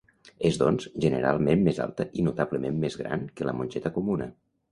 És doncs, generalment més alta i notablement més gran que la mongeta comuna.